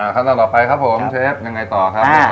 ครั้งต่อละครับครับผมเชฟยังไงต่อครับ